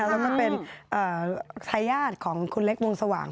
แล้วก็เป็นทายาทของคุณเล็กวงสว่าง